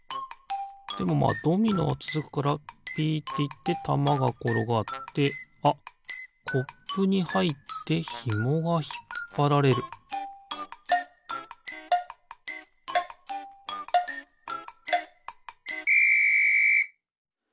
でもまあドミノはつづくからピッていってたまがころがってあっコップにはいってひもがひっぱられるピッ！